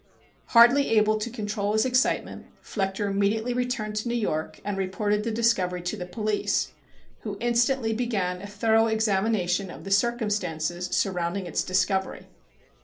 Hardly able to control his excitement Flechter immediately returned to New York and reported the discovery to the police, who instantly began a thorough examination of the circumstances surrounding its discovery.